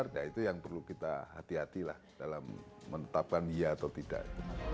ya itu yang perlu kita hati hatilah dalam menetapkan iya atau tidak